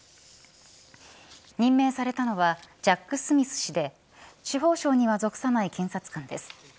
任命されたのはジャック・スミス氏で司法省には属さない検察官です。